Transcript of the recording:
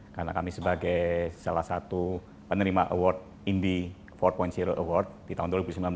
karena kami sebagai salah satu penerima award indy empat award di tahun dua ribu sembilan belas